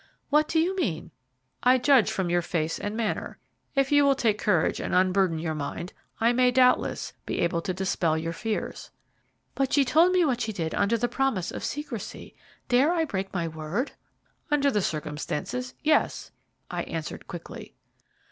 "What do you mean?" "I judge from your face and manner. If you will take courage and unburden your mind, I may, doubtless, be able to dispel your fears." "But she told me what she did under the promise of secrecy; dare I break my word?" "Under the circumstances, yes," I answered quickly.